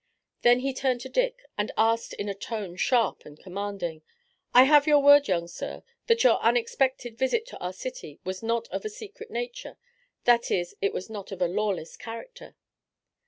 Then he turned to Dick, and asked in a tone, sharp and commanding: "I have your word, young sir, that your unexpected visit to our city was not of a secret nature; that is, it was not of a lawless character?"